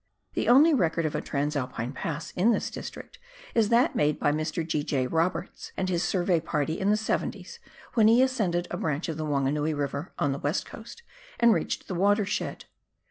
The only record of a trans Alpine pass in this district is that made by Mr. Gr. J, Roberts and his survey party in the seventies, when he ascended a branch of the Wanganui River on the west coast and reached the watershed.